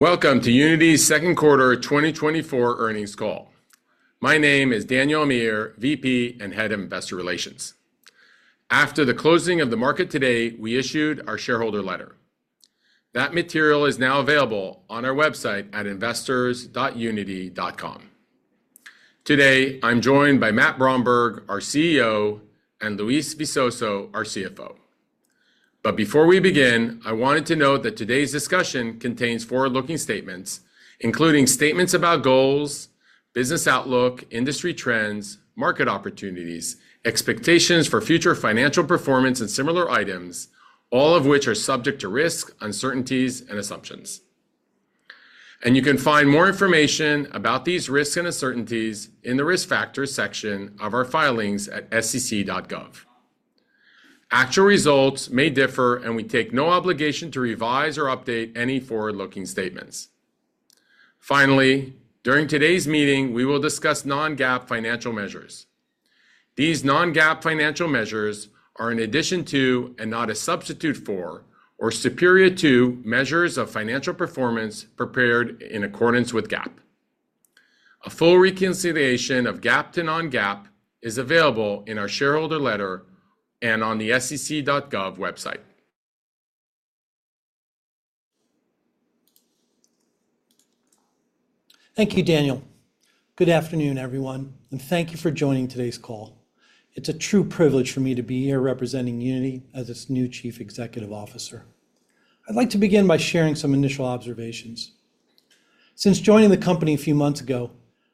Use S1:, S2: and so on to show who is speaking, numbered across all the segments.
S1: Welcome to Unity's Q2 2024 earnings call. My name is Daniel Amir, VP and Head of Investor Relations. After the closing of the market today, we issued our shareholder letter. That material is now available on our website at investors.unity.com. Today, I'm joined by Matt Bromberg, our CEO, and Luis Visoso, our CFO. But before we begin, I wanted to note that today's discussion contains forward-looking statements, including statements about goals, business outlook, industry trends, market opportunities, expectations for future financial performance, and similar items, all of which are subject to risks, uncertainties, and assumptions. You can find more information about these risks and uncertainties in the Risk Factors section of our filings at sec.gov. Actual results may differ, and we take no obligation to revise or update any forward-looking statements. Finally, during today's meeting, we will discuss non-GAAP financial measures. These non-GAAP financial measures are in addition to and not a substitute for or superior to measures of financial performance prepared in accordance with GAAP. A full reconciliation of GAAP to non-GAAP is available in our shareholder letter and on the sec.gov website.
S2: Thank you, Daniel. Good afternoon, everyone, and thank you for joining today's call. It's a true privilege for me to be here representing Unity as its new Chief Executive Officer. I'd like to begin by sharing some initial observations. Since joining the company a few months ago,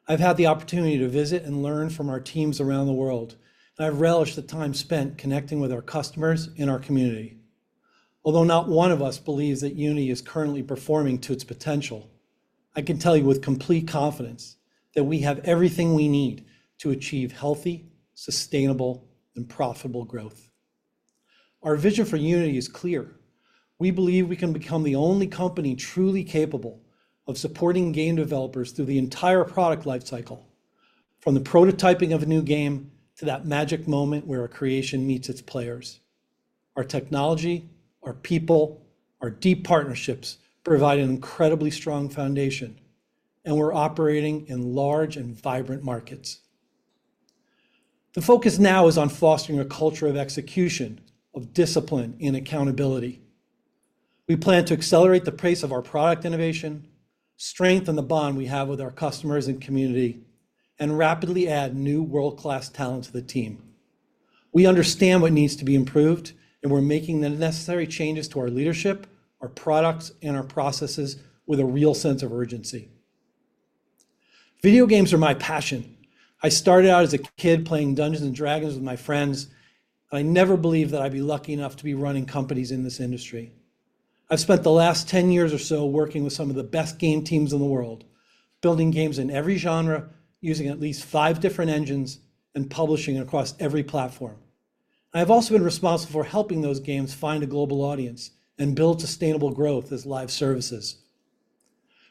S2: I've had the opportunity to visit and learn from our teams around the world, and I've relished the time spent connecting with our customers and our community. Although not one of us believes that Unity is currently performing to its potential, I can tell you with complete confidence that we have everything we need to achieve healthy, sustainable, and profitable growth. Our vision for Unity is clear. We believe we can become the only company truly capable of supporting game developers through the entire product life cycle, from the prototyping of a new game to that magic moment where a creation meets its players. Our technology, our people, our deep partnerships provide an incredibly strong foundation, and we're operating in large and vibrant markets. The focus now is on fostering a culture of execution, of discipline, and accountability. We plan to accelerate the pace of our product innovation, strengthen the bond we have with our customers and community, and rapidly add new world-class talent to the team. We understand what needs to be improved, and we're making the necessary changes to our leadership, our products, and our processes with a real sense of urgency. Video games are my passion. I started out as a kid playing Dungeons & Dragons with my friends, and I never believed that I'd be lucky enough to be running companies in this industry. I've spent the last 10 years or so working with some of the best game teams in the world, building games in every genre, using at least five different engines, and publishing across every platform. I have also been responsible for helping those games find a global audience and build sustainable growth as live services.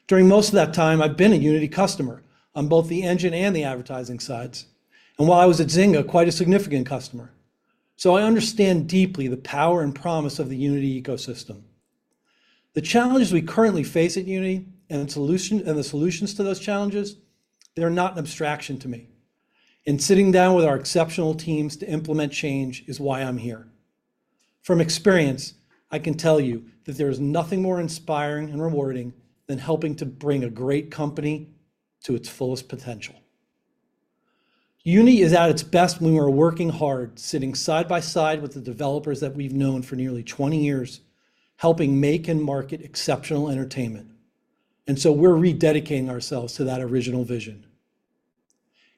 S2: During most of that time, I've been a Unity customer on both the engine and the advertising sides, and while I was at Zynga, quite a significant customer, so I understand deeply the power and promise of the Unity ecosystem. The challenges we currently face at Unity and the solutions to those challenges, they're not an abstraction to me, and sitting down with our exceptional teams to implement change is why I'm here. From experience, I can tell you that there is nothing more inspiring and rewarding than helping to bring a great company to its fullest potential. Unity is at its best when we are working hard, sitting side by side with the developers that we've known for nearly 20 years, helping make and market exceptional entertainment, and so we're rededicating ourselves to that original vision.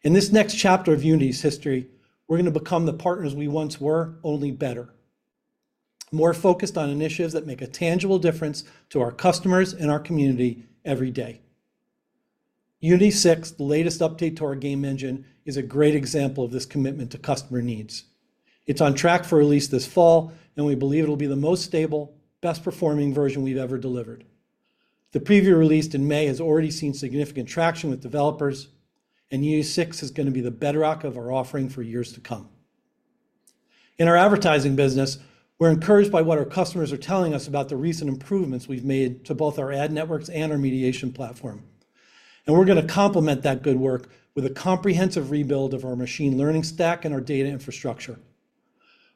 S2: In this next chapter of Unity's history, we're gonna become the partners we once were, only better, more focused on initiatives that make a tangible difference to our customers and our community every day. Unity 6, the latest update to our game engine, is a great example of this commitment to customer needs. It's on track for release this fall, and we believe it'll be the most stable, best-performing version we've ever delivered. The preview released in May has already seen significant traction with developers, and Unity 6 is gonna be the bedrock of our offering for years to come. In our advertising business, we're encouraged by what our customers are telling us about the recent improvements we've made to both our ad networks and our mediation platform. And we're gonna complement that good work with a comprehensive rebuild of our machine learning stack and our data infrastructure.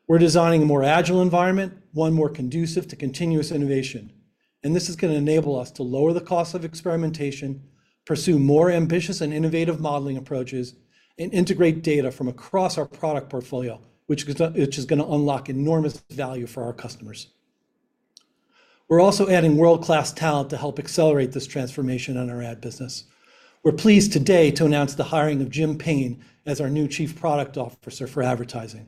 S2: We're designing a more agile environment, one more conducive to continuous innovation, and this is gonna enable us to lower the cost of experimentation, pursue more ambitious and innovative modeling approaches, and integrate data from across our product portfolio, which is gonna unlock enormous value for our customers. We're also adding world-class talent to help accelerate this transformation on our ad business. We're pleased today to announce the hiring of Jim Payne as our new Chief Product Officer for Advertising.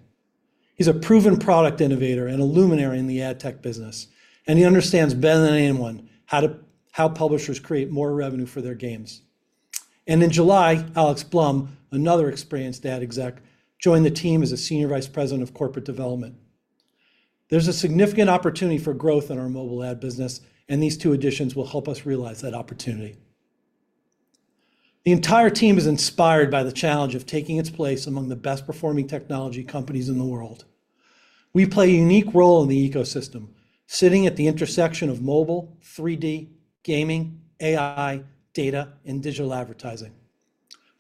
S2: He's a proven product innovator and a luminary in the ad tech business, and he understands better than anyone how publishers create more revenue for their games. And in July, Alex Blum, another experienced ad exec, joined the team as a Senior Vice President of Corporate Development. There's a significant opportunity for growth in our mobile ad business, and these two additions will help us realize that opportunity. The entire team is inspired by the challenge of taking its place among the best-performing technology companies in the world. We play a unique role in the ecosystem, sitting at the intersection of mobile, 3D, gaming, AI, data, and digital advertising.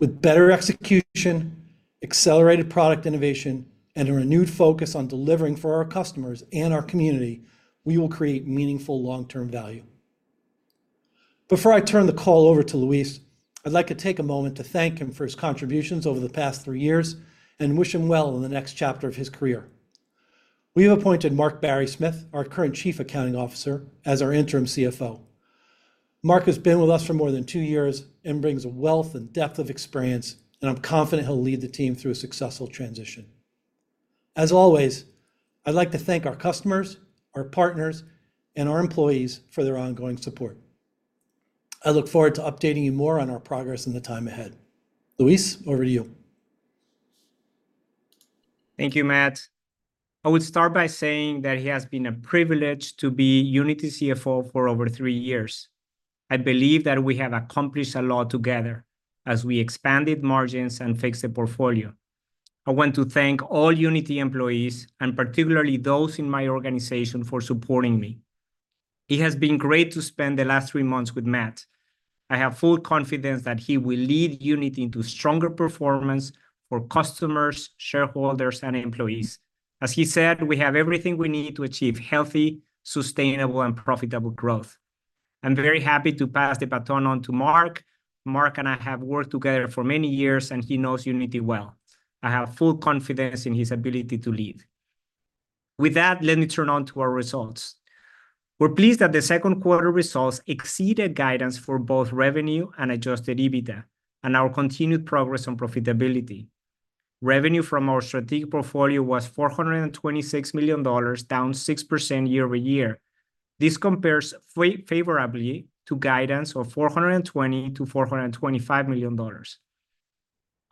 S2: With better execution, accelerated product innovation, and a renewed focus on delivering for our customers and our community, we will create meaningful long-term value. Before I turn the call over to Luis, I'd like to take a moment to thank him for his contributions over the past three years and wish him well in the next chapter of his career. We have appointed Mark Barrysmith, our current Chief Accounting Officer, as our interim CFO. Mark has been with us for more than two years and brings a wealth and depth of experience, and I'm confident he'll lead the team through a successful transition. As always, I'd like to thank our customers, our partners, and our employees for their ongoing support. I look forward to updating you more on our progress in the time ahead. Luis, over to you.
S3: Thank you, Matt. I would start by saying that it has been a privilege to be Unity's CFO for over three years. I believe that we have accomplished a lot together as we expanded margins and fixed the portfolio. I want to thank all Unity employees, and particularly those in my organization, for supporting me. It has been great to spend the last three months with Matt. I have full confidence that he will lead Unity into stronger performance for customers, shareholders, and employees. As he said, we have everything we need to achieve healthy, sustainable, and profitable growth. I'm very happy to pass the baton on to Mark. Mark and I have worked together for many years, and he knows Unity well. I have full confidence in his ability to lead. With that, let me turn it over to our results. We're pleased that the second quarter results exceeded guidance for both revenue and Adjusted EBITDA and our continued progress on profitability. Revenue from our strategic portfolio was $426 million, down 6% year-over-year. This compares favorably to guidance of $420 million-$425 million.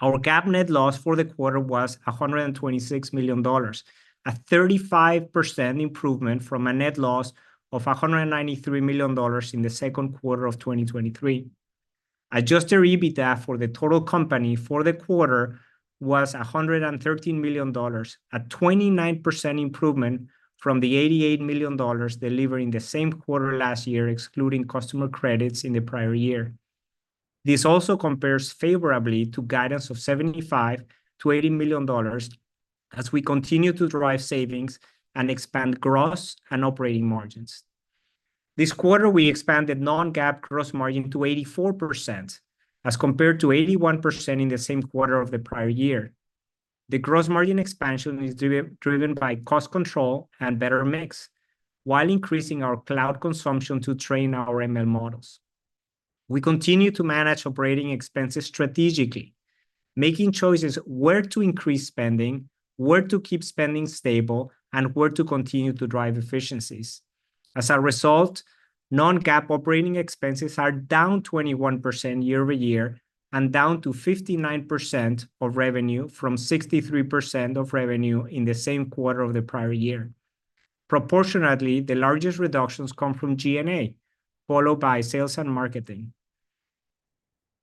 S3: Our GAAP net loss for the quarter was $126 million, a 35% improvement from a net loss of $193 million in the second quarter of 2023. Adjusted EBITDA for the total company for the quarter was $113 million, a 29% improvement from the $88 million delivered in the same quarter last year, excluding customer credits in the prior year. This also compares favorably to guidance of $75 million-$80 million as we continue to drive savings and expand gross and operating margins. This quarter, we expanded non-GAAP gross margin to 84%, as compared to 81% in the same quarter of the prior year. The gross margin expansion is driven by cost control and better mix, while increasing our cloud consumption to train our ML models. We continue to manage operating expenses strategically, making choices where to increase spending, where to keep spending stable, and where to continue to drive efficiencies. As a result, non-GAAP operating expenses are down 21% year-over-year and down to 59% of revenue, from 63% of revenue in the same quarter of the prior year. Proportionately, the largest reductions come from G&A, followed by sales and marketing.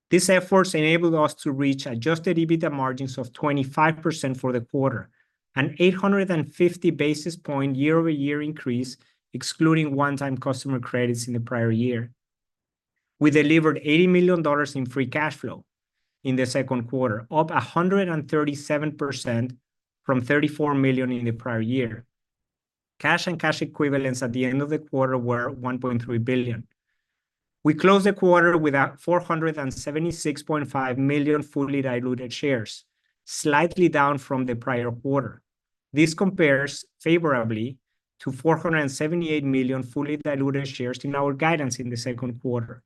S3: These efforts enabled us to reach Adjusted EBITDA margins of 25% for the quarter, an 850 basis point year-over-year increase, excluding one-time customer credits in the prior year. We delivered $80 million in free cash flow in the second quarter, up 137% from $34 million in the prior year. Cash and cash equivalents at the end of the quarter were $1.3 billion. We closed the quarter with 476.5 million fully diluted shares, slightly down from the prior quarter. This compares favorably to 478 million fully diluted shares in our guidance in the second quarter.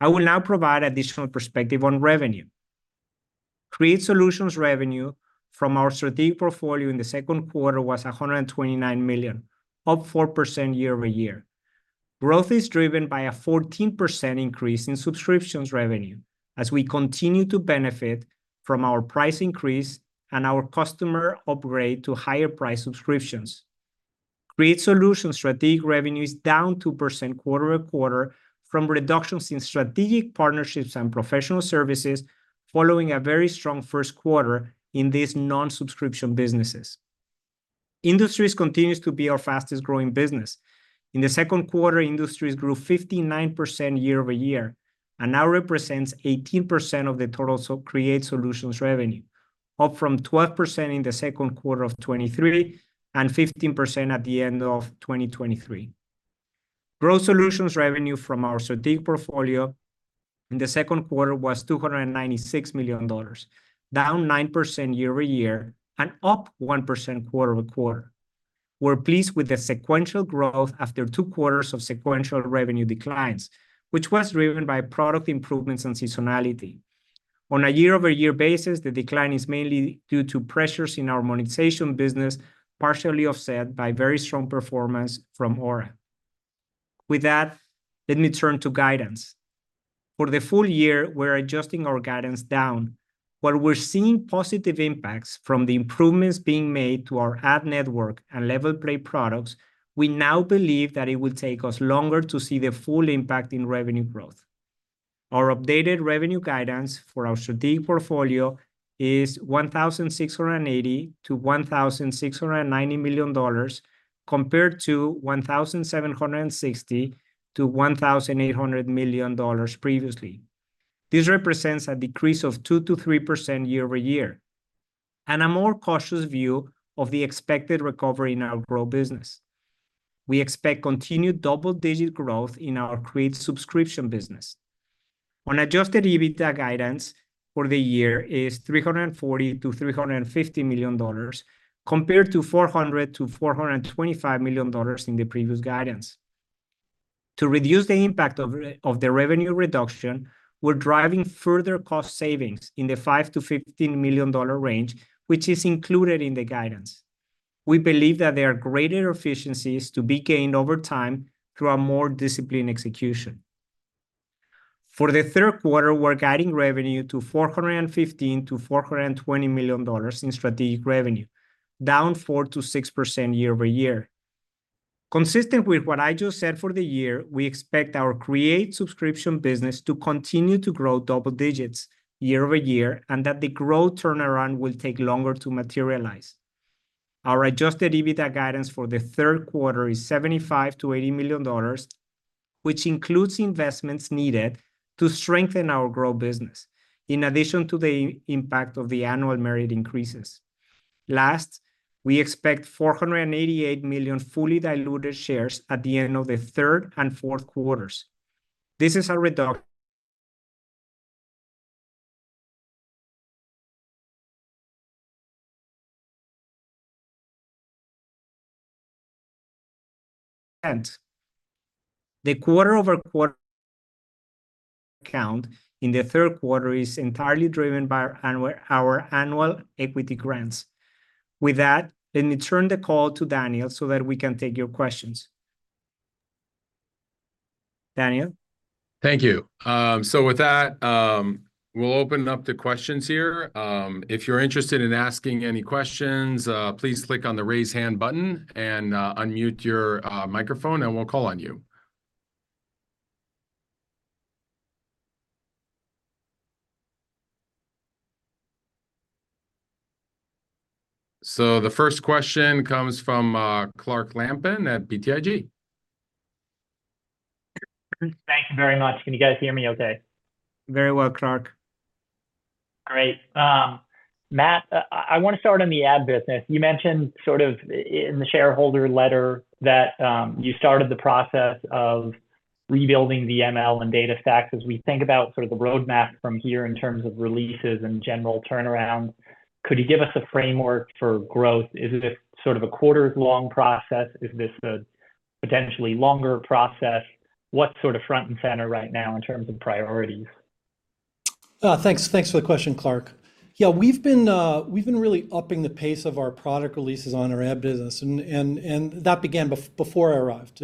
S3: I will now provide additional perspective on revenue. Create Solutions revenue from our strategic portfolio in the second quarter was $129 million, up 4% year-over-year. Growth is driven by a 14% increase in subscriptions revenue as we continue to benefit from our price increase and our customer upgrade to higher price subscriptions. Create Solutions strategic revenue is down 2% quarter-over-quarter from reductions in strategic partnerships and professional services, following a very strong first quarter in these non-subscription businesses. Industries continues to be our fastest-growing business. In the second quarter, Industries grew 59% year-over-year and now represents 18% of the total Create Solutions revenue, up from 12% in the second quarter of 2023 and 15% at the end of 2023. Grow Solutions revenue from our strategic portfolio in the second quarter was $296 million, down 9% year-over-year and up 1% quarter-over-quarter. We're pleased with the sequential growth after two quarters of sequential revenue declines, which was driven by product improvements and seasonality. On a year-over-year basis, the decline is mainly due to pressures in our monetization business, partially offset by very strong performance from Aura. With that, let me turn to guidance. For the full year, we're adjusting our guidance down. While we're seeing positive impacts from the improvements being made to our ad network and LevelPlay products, we now believe that it will take us longer to see the full impact in revenue growth. Our updated revenue guidance for our strategic portfolio is $1,680 million-$1,690 million, compared to $1,760 million-$1,800 million previously. This represents a decrease of 2%-3% year-over-year, and a more cautious view of the expected recovery in our growth business. We expect continued double-digit growth in our Create subscription business. Our Adjusted EBITDA guidance for the year is $340 million-$350 million, compared to $400 million-$425 million in the previous guidance. To reduce the impact of the revenue reduction, we're driving further cost savings in the $5 million-$15 million range, which is included in the guidance. We believe that there are greater efficiencies to be gained over time through a more disciplined execution. For the third quarter, we're guiding revenue to $415 million-$420 million in strategic revenue, down 4%-6% year-over-year. Consistent with what I just said for the year, we expect our Create subscription business to continue to grow double digits year-over-year, and that the growth turnaround will take longer to materialize. Our Adjusted EBITDA guidance for the third quarter is $75 million-$80 million, which includes investments needed to strengthen our growth business, in addition to the impact of the annual merit increases. Last, we expect 488 million fully diluted shares at the end of the third and fourth quarters. This is a reduction, and the quarter-over-quarter count in the third quarter is entirely driven by our annual equity grants. With that, let me turn the call to Daniel so that we can take your questions. Daniel?
S1: Thank you. So with that, we'll open up to questions here. If you're interested in asking any questions, please click on the Raise Hand button and unmute your microphone, and we'll call on you. So the first question comes from Clark Lampen at BTIG.
S4: Thank you very much. Can you guys hear me okay?
S3: Very well, Clark.
S4: Great. Matt, I wanna start on the ad business. You mentioned sort of in the shareholder letter that you started the process of rebuilding the ML and data stack. As we think about sort of the roadmap from here in terms of releases and general turnaround, could you give us a framework for growth? Is it a sort of a quarters-long process? Is this a potentially longer process? What's sort of front and center right now in terms of priorities?
S2: Thanks. Thanks for the question, Clark. Yeah, we've been really upping the pace of our product releases on our ad business, and that began before I arrived.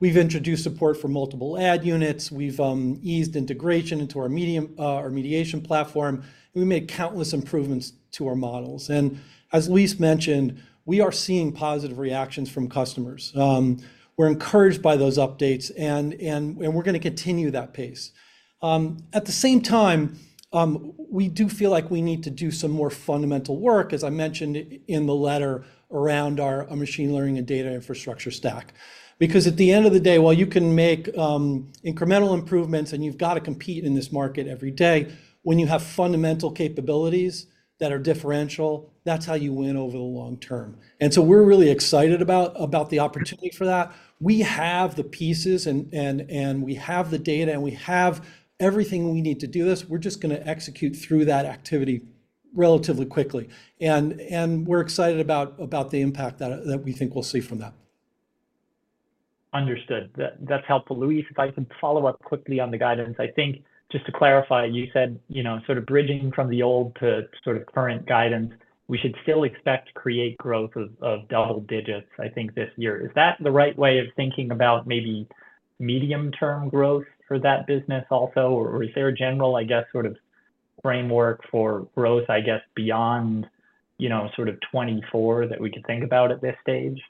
S2: We've introduced support for multiple ad units, we've eased integration into our mediation platform, and we made countless improvements to our models. And as Luis mentioned, we are seeing positive reactions from customers. We're encouraged by those updates, and we're gonna continue that pace. At the same time, we do feel like we need to do some more fundamental work, as I mentioned in the letter, around our machine learning and data infrastructure stack. Because at the end of the day, while you can make incremental improvements, and you've got to compete in this market every day, when you have fundamental capabilities that are differential, that's how you win over the long term. And so we're really excited about the opportunity for that. We have the pieces, and we have the data, and we have everything we need to do this. We're just gonna execute through that activity relatively quickly, and we're excited about the impact that we think we'll see from that.
S4: Understood. That, that's helpful. Luis, if I can follow up quickly on the guidance, I think just to clarify, you said, you know, sort of bridging from the old to sort of current guidance, we should still expect Create growth of double digits, I think, this year. Is that the right way of thinking about maybe medium-term growth for that business also, or is there a general, I guess, sort of framework for growth, I guess, beyond, you know, sort of 2024 that we could think about at this stage?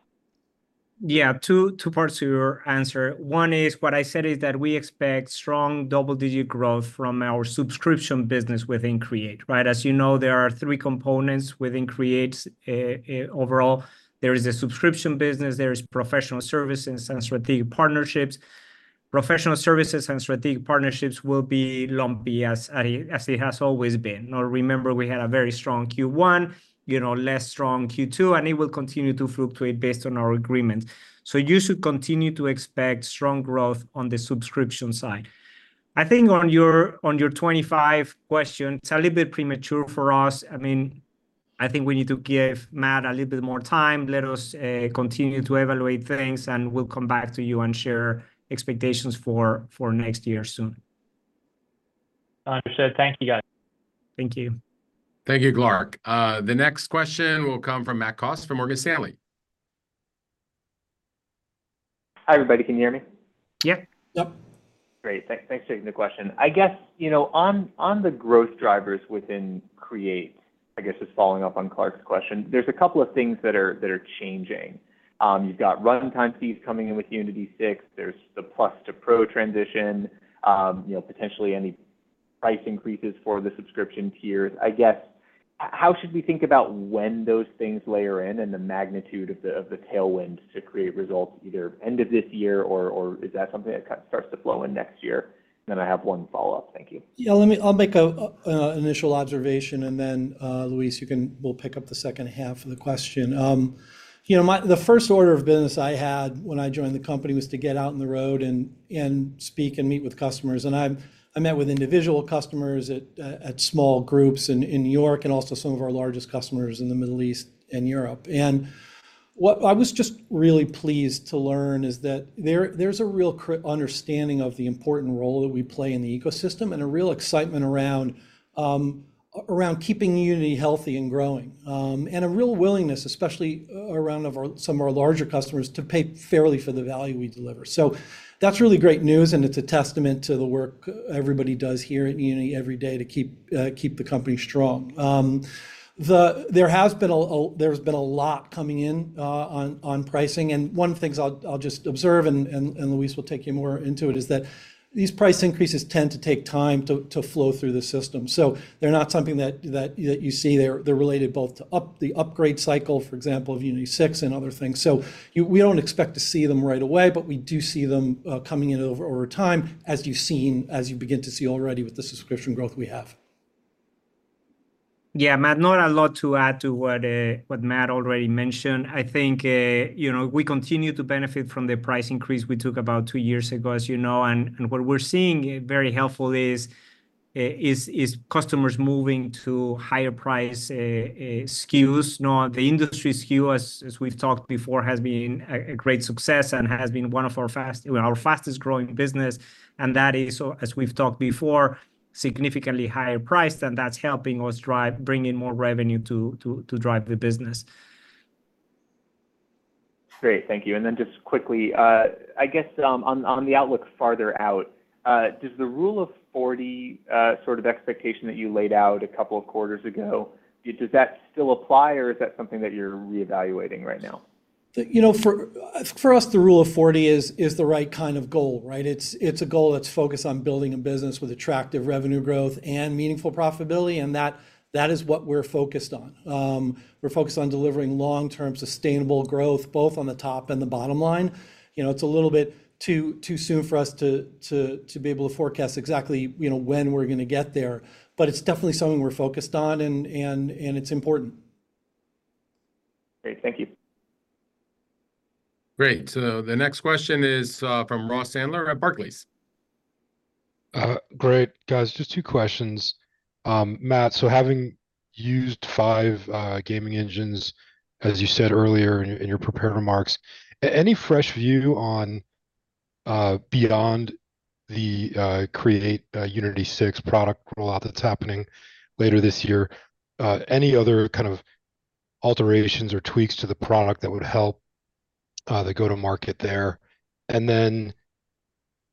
S3: Yeah, two parts to your answer. One is, what I said is that we expect strong double-digit growth from our subscription business within Create, right? As you know, there are three components within Create. Overall, there is a subscription business, there is professional services and strategic partnerships. Professional services and strategic partnerships will be lumpy, as it has always been. Now, remember, we had a very strong Q1, you know, less strong Q2, and it will continue to fluctuate based on our agreements. So you should continue to expect strong growth on the subscription side. I think on your 2025 question, it's a little bit premature for us. I mean, I think we need to give Matt a little bit more time. Let us continue to evaluate things, and we'll come back to you and share expectations for next year soon.
S4: Understood. Thank you, guys.
S3: Thank you.
S1: Thank you, Clark. The next question will come from Matt Cost from Morgan Stanley....
S5: Hi, everybody, can you hear me?
S2: Yeah.
S3: Yep.
S5: Great. Thanks for taking the question. I guess, you know, on the growth drivers within Create, I guess just following up on Clark's question, there's a couple of things that are changing. You've got runtime fees coming in with Unity 6, there's the Plus to Pro transition, you know, potentially any price increases for the subscription tiers. I guess, how should we think about when those things layer in and the magnitude of the tailwind to Create results, either end of this year or is that something that kind of starts to flow in next year? Then I have one follow-up. Thank you.
S2: Yeah, let me-- I'll make an initial observation, and then, Luis, you can-- we'll pick up the second half of the question. You know, the first order of business I had when I joined the company was to get out on the road and speak and meet with customers. And I met with individual customers at small groups in New York, and also some of our largest customers in the Middle East and Europe. And what I was just really pleased to learn is that there's a real understanding of the important role that we play in the ecosystem, and a real excitement around keeping Unity healthy and growing. And a real willingness, especially around of our some of our larger customers, to pay fairly for the value we deliver. So that's really great news, and it's a testament to the work everybody does here at Unity every day to keep the company strong. There has been a lot coming in on pricing, and one of the things I'll just observe, and Luis will take you more into it, is that these price increases tend to take time to flow through the system. So they're not something that you see there. They're related both to the upgrade cycle, for example, of Unity 6 and other things. So we don't expect to see them right away, but we do see them coming in over time, as you've seen, as you begin to see already with the subscription growth we have.
S3: Yeah, Matt, not a lot to add to what what Matt already mentioned. I think, you know, we continue to benefit from the price increase we took about two years ago, as you know, and and what we're seeing, very helpful is, is customers moving to higher price SKUs. Now, the industry SKU, as as we've talked before, has been a a great success and has been one of our fast- our fastest-growing business. And that is, as we've talked before, significantly higher priced, and that's helping us drive bring in more revenue to to to drive the business.
S5: Great. Thank you. And then just quickly, I guess, on the outlook farther out, does the Rule of 40, sort of expectation that you laid out a couple of quarters ago, does that still apply, or is that something that you're reevaluating right now?
S2: You know, for us, the Rule of 40 is the right kind of goal, right? It's a goal that's focused on building a business with attractive revenue growth and meaningful profitability, and that is what we're focused on. We're focused on delivering long-term, sustainable growth, both on the top and the bottom line. You know, it's a little bit too soon for us to be able to forecast exactly, you know, when we're gonna get there, but it's definitely something we're focused on, and it's important.
S5: Great. Thank you.
S1: Great. So the next question is, from Ross Sandler at Barclays.
S6: Great. Guys, just two questions. Matt, so having used five gaming engines, as you said earlier in your prepared remarks, any fresh view on beyond the Create Unity 6 product rollout that's happening later this year? Any other kind of alterations or tweaks to the product that would help the go to market there? And then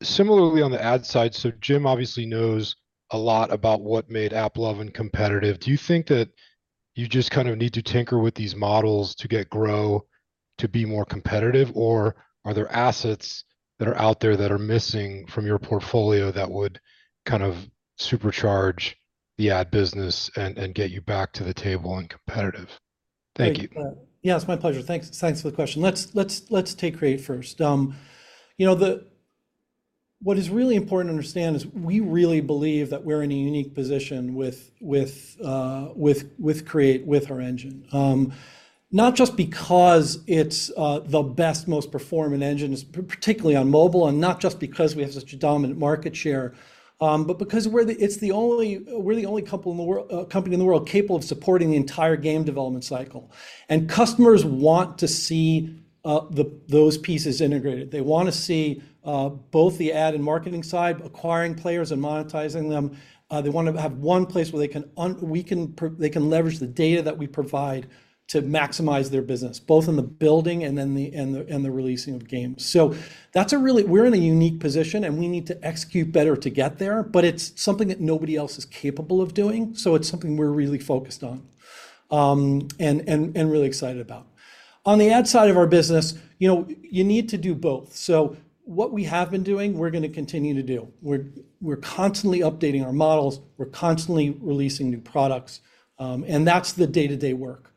S6: similarly, on the ad side, so Jim obviously knows a lot about what made AppLovin competitive. Do you think that you just kind of need to tinker with these models to get Grow to be more competitive, or are there assets that are out there that are missing from your portfolio that would kind of supercharge the ad business and get you back to the table and competitive? Thank you.
S2: Yeah, it's my pleasure. Thanks for the question. Let's take Create first. You know, what is really important to understand is we really believe that we're in a unique position with Create, with our engine. Not just because it's the best, most performant engine, particularly on mobile, and not just because we have such a dominant market share, but because we're the only company in the world capable of supporting the entire game development cycle. Customers want to see those pieces integrated. They want to see both the ad and marketing side, acquiring players and monetizing them. They want to have one place where they can leverage the data that we provide to maximize their business, both in the building and then the releasing of games. So that's a really—we're in a unique position, and we need to execute better to get there, but it's something that nobody else is capable of doing, so it's something we're really focused on, and really excited about. On the ad side of our business, you know, you need to do both. So what we have been doing, we're gonna continue to do. We're constantly updating our models, we're constantly releasing new products, and that's the day-to-day work.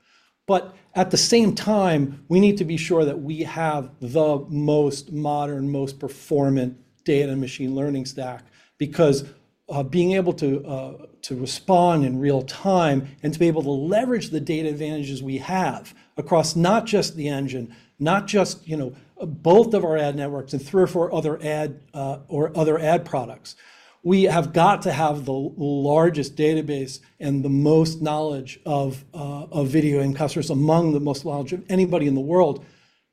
S2: But at the same time, we need to be sure that we have the most modern, most performant data and machine learning stack, because being able to respond in real time and to be able to leverage the data advantages we have across not just the engine, not just, you know, both of our ad networks and three or four other ad or other ad products. We have got to have the largest database and the most knowledge of video and customers among the most large of anybody in the world.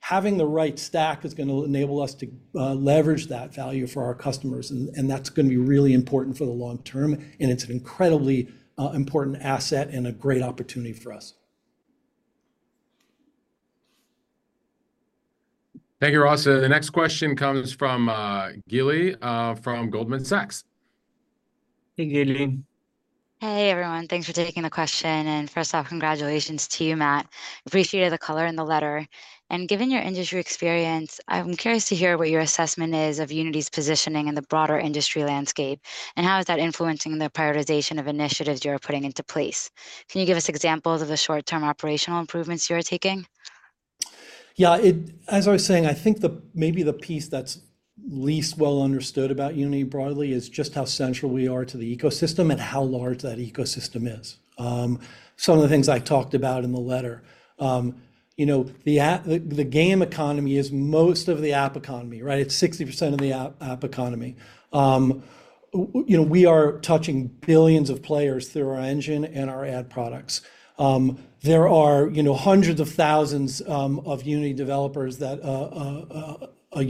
S2: Having the right stack is gonna enable us to leverage that value for our customers, and, and that's gonna be really important for the long term, and it's an incredibly important asset and a great opportunity for us....
S1: Thank you, Ross. The next question comes from Gili from Goldman Sachs.
S2: Hey, Gili.
S7: Hey, everyone. Thanks for taking the question, and first off, congratulations to you, Matt. Appreciated the color in the letter. Given your industry experience, I'm curious to hear what your assessment is of Unity's positioning in the broader industry landscape, and how is that influencing the prioritization of initiatives you're putting into place? Can you give us examples of the short-term operational improvements you are taking?
S2: Yeah, it, as I was saying, I think, maybe the piece that's least well understood about Unity broadly is just how central we are to the ecosystem and how large that ecosystem is. Some of the things I talked about in the letter, you know, the game economy is most of the app economy, right? It's 60% of the app economy. You know, we are touching billions of players through our engine and our ad products. There are, you know, hundreds of thousands of Unity developers that a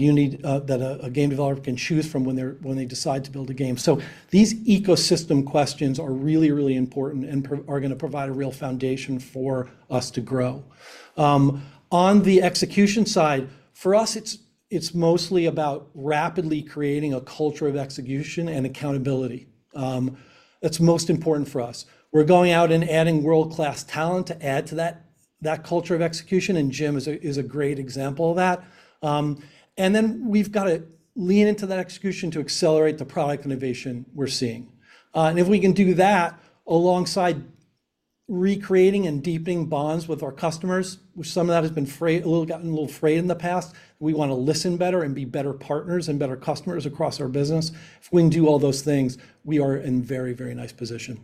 S2: game developer can choose from when they're, when they decide to build a game. So these ecosystem questions are really, really important and are gonna provide a real foundation for us to grow. On the execution side, for us, it's, it's mostly about rapidly creating a culture of execution and accountability. That's most important for us. We're going out and adding world-class talent to add to that, that culture of execution, and Jim is a, is a great example of that. Then we've got to lean into that execution to accelerate the product innovation we're seeing. And if we can do that alongside recreating and deepening bonds with our customers, which some of that has been fray- a little, gotten a little fray in the past, we want to listen better and be better partners and better customers across our business. If we can do all those things, we are in very, very nice position.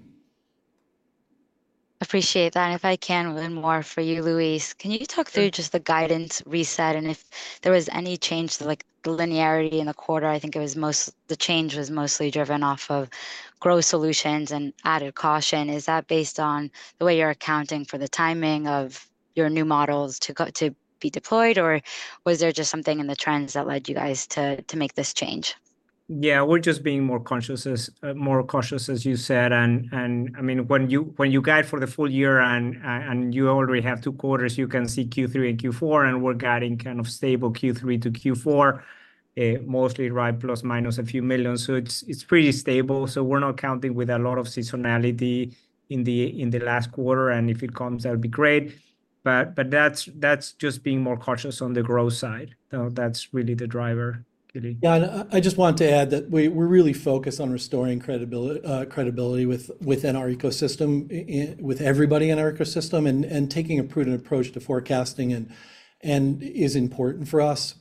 S7: Appreciate that, and if I can, one more for you, Luis.
S3: Sure.
S7: Can you talk through just the guidance reset and if there was any change to, like, the linearity in the quarter? I think the change was mostly driven off of growth solutions and added caution. Is that based on the way you're accounting for the timing of your new models to go... to be deployed, or was there just something in the trends that led you guys to make this change?
S3: Yeah, we're just being more conscious as more cautious, as you said. And I mean, when you guide for the full year and you already have two quarters, you can see Q3 and Q4, and we're guiding kind of stable Q3 to Q4, mostly right, plus, minus a few million. So it's pretty stable, so we're not counting with a lot of seasonality in the last quarter, and if it comes, that would be great. But that's just being more cautious on the growth side. So that's really the driver, Gili.
S2: Yeah, and I just want to add that we're really focused on restoring credibility within our ecosystem with everybody in our ecosystem, and taking a prudent approach to forecasting and is important for us,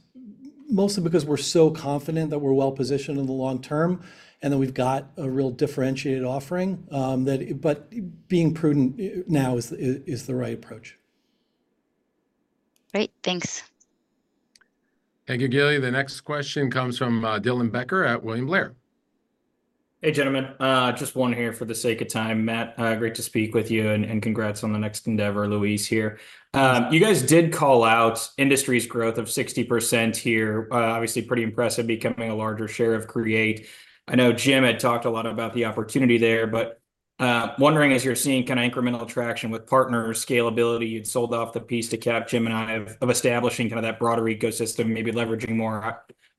S2: mostly because we're so confident that we're well-positioned in the long term, and that we've got a real differentiated offering. That but being prudent now is the right approach.
S7: Great. Thanks.
S1: Thank you, Gili. The next question comes from Dylan Becker at William Blair.
S8: Hey, gentlemen. Just one here for the sake of time. Matt, great to speak with you, and congrats on the next endeavor, Luis, here. You guys did call out Industries' growth of 60% here. Obviously, pretty impressive, becoming a larger share of Create. I know Jim had talked a lot about the opportunity there, but wondering, as you're seeing kinda incremental traction with partner scalability, you'd sold off the piece to Capgemini of establishing kind of that broader ecosystem, maybe leveraging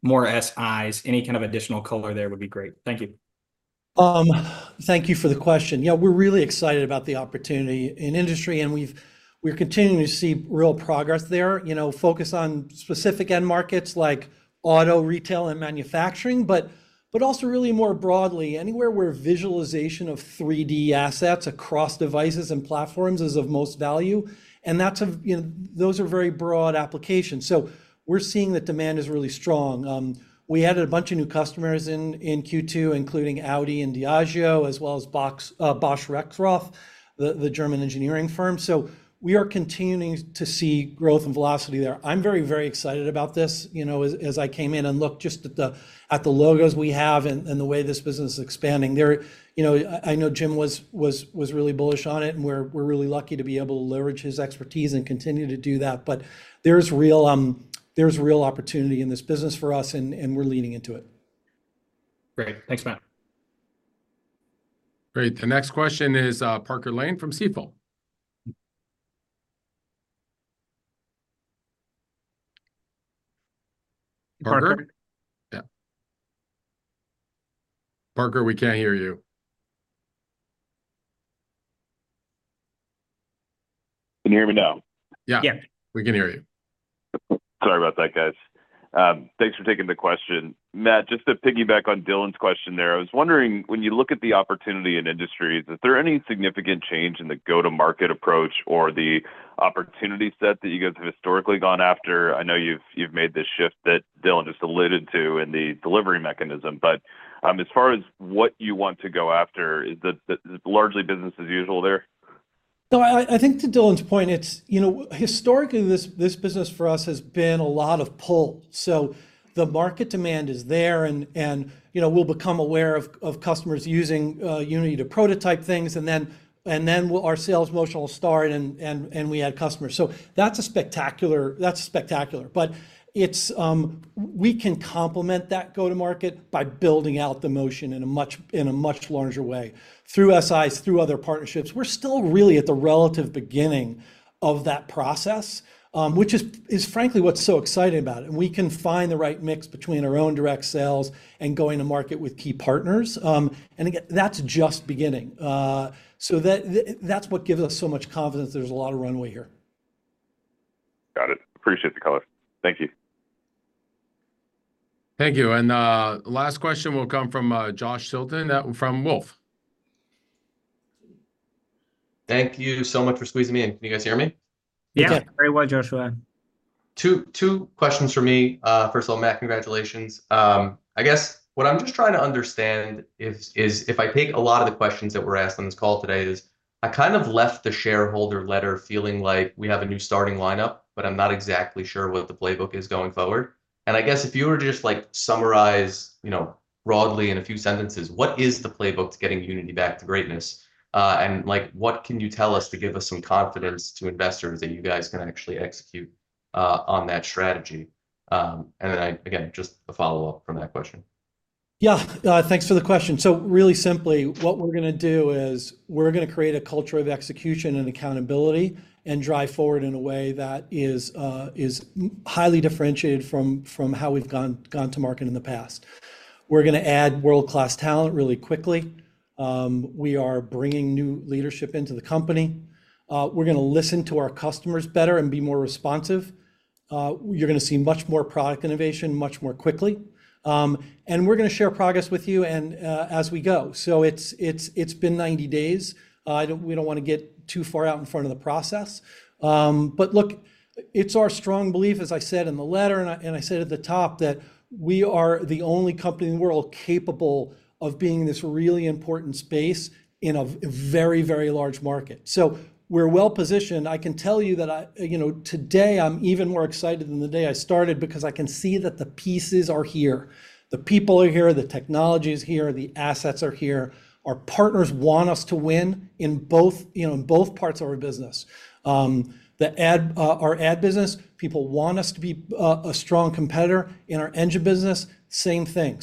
S8: more SIs. Any kind of additional color there would be great. Thank you.
S2: Thank you for the question. Yeah, we're really excited about the opportunity in industry, and we're continuing to see real progress there. You know, focus on specific end markets like auto, retail, and manufacturing, but also really more broadly, anywhere where visualization of 3D assets across devices and platforms is of most value, and that's, you know, those are very broad applications. So we're seeing that demand is really strong. We added a bunch of new customers in Q2, including Audi and Diageo, as well as Bosch Rexroth, the German engineering firm. So we are continuing to see growth and velocity there. I'm very, very excited about this, you know, as I came in and looked just at the logos we have and the way this business is expanding. There, you know, I know Jim was really bullish on it, and we're really lucky to be able to leverage his expertise and continue to do that. But there's real opportunity in this business for us, and we're leaning into it.
S8: Great. Thanks, Matt.
S1: Great. The next question is, Parker Lane from Stifel.
S2: Parker?
S1: Yeah. Parker, we can't hear you.
S9: Can you hear me now?
S1: Yeah.
S3: Yeah.
S1: We can hear you.
S9: Sorry about that, guys. Thanks for taking the question. Matt, just to piggyback on Dylan's question there, I was wondering, when you look at the opportunity in industries, is there any significant change in the go-to-market approach or the opportunity set that you guys have historically gone after? I know you've, you've made this shift that Dylan just alluded to in the delivery mechanism, but, as far as what you want to go after, is that, that largely business as usual there?
S2: No, I think to Dylan's point, it's, you know, historically, this business for us has been a lot of pull. So the market demand is there, and you know, we'll become aware of customers using Unity to prototype things, and then our sales motion will start, and we add customers. So that's spectacular, but we can complement that go-to-market by building out the motion in a much larger way through SIs, through other partnerships. We're still really at the relative beginning of that process, which is frankly what's so exciting about it, and we can find the right mix between our own direct sales and going to market with key partners. And again, that's just beginning. So that, that's what gives us so much confidence there's a lot of runway here.
S9: Got it. Appreciate the color. Thank you.
S1: Thank you, and last question will come from Joshua Tilton from Wolfe.
S10: Thank you so much for squeezing me in. Can you guys hear me?
S1: We can.
S3: Yeah, very well, Joshua.
S10: Two, two questions from me. First of all, Matt, congratulations. I guess what I'm just trying to understand is, is if I take a lot of the questions that were asked on this call today is, I kind of left the shareholder letter feeling like we have a new starting lineup, but I'm not exactly sure what the playbook is going forward. And I guess if you were to just, like, summarize, you know, broadly in a few sentences, what is the playbook to getting Unity back to greatness? And, like, what can you tell us to give us some confidence to investors that you guys can actually execute, on that strategy? And then I, again, just a follow-up from that question.
S2: Yeah, thanks for the question. So really simply, what we're gonna do is we're gonna create a culture of execution and accountability and drive forward in a way that is highly differentiated from how we've gone to market in the past. We're gonna add world-class talent really quickly. We are bringing new leadership into the company. You're gonna see much more product innovation much more quickly. And we're gonna share progress with you and as we go. So it's been 90 days. We don't wanna get too far out in front of the process. But look, it's our strong belief, as I said in the letter and I, and I said at the top, that we are the only company in the world capable of being in this really important space in a very, very large market. So we're well-positioned. I can tell you that I, you know, today I'm even more excited than the day I started because I can see that the pieces are here. The people are here, the technology is here, the assets are here. Our partners want us to win in both, you know, in both parts of our business. The ad, our ad business, people want us to be a, a strong competitor. In our engine business, same thing.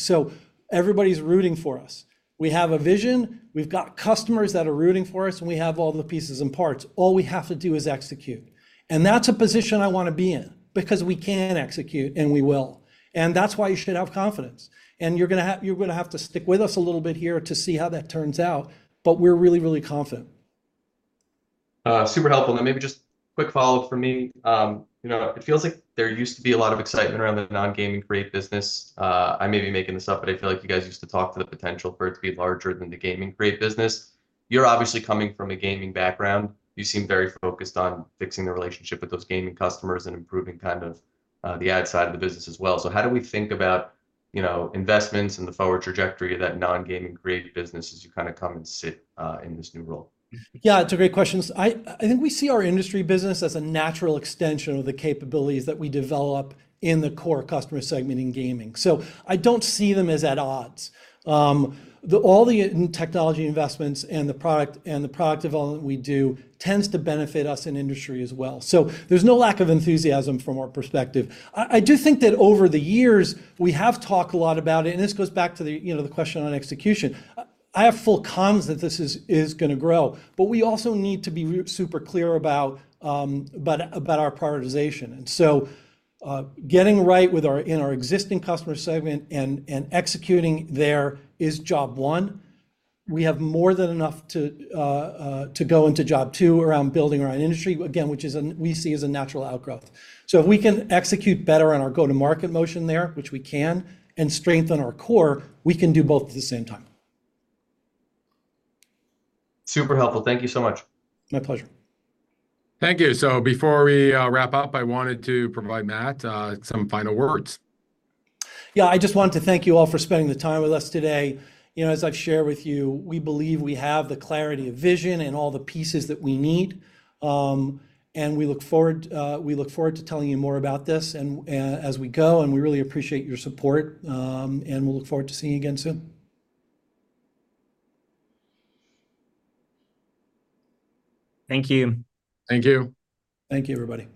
S2: So everybody's rooting for us. We have a vision, we've got customers that are rooting for us, and we have all the pieces and parts. All we have to do is execute, and that's a position I wanna be in because we can execute, and we will. And that's why you should have confidence, and you're gonna have, you're gonna have to stick with us a little bit here to see how that turns out, but we're really, really confident.
S10: Super helpful. Now maybe just a quick follow-up from me. You know, it feels like there used to be a lot of excitement around the non-gaming create business. I may be making this up, but I feel like you guys used to talk to the potential for it to be larger than the gaming create business. You're obviously coming from a gaming background. You seem very focused on fixing the relationship with those gaming customers and improving kind of the ad side of the business as well. So how do we think about, you know, investments and the forward trajectory of that non-gaming create business as you kind of come and sit in this new role?
S2: Yeah, it's a great question. I think we see our industry business as a natural extension of the capabilities that we develop in the core customer segment in gaming. So I don't see them as at odds. All the technology investments and the product and the product development we do tends to benefit us in industry as well. So there's no lack of enthusiasm from our perspective. I do think that over the years, we have talked a lot about it, and this goes back to the, you know, the question on execution. I have full confidence that this is gonna grow, but we also need to be super clear about our prioritization. And so, getting right with our existing customer segment and executing there is job one. We have more than enough to go into job two around building our own industry, again, which is a, we see as a natural outgrowth. So if we can execute better on our go-to-market motion there, which we can, and strengthen our core, we can do both at the same time.
S10: Super helpful. Thank you so much.
S2: My pleasure.
S1: Thank you. So before we wrap up, I wanted to provide Matt some final words.
S2: Yeah, I just wanted to thank you all for spending the time with us today. You know, as I've shared with you, we believe we have the clarity of vision and all the pieces that we need. And we look forward, we look forward to telling you more about this and, as we go, and we really appreciate your support. And we'll look forward to seeing you again soon.
S3: Thank you.
S1: Thank you.
S2: Thank you, everybody.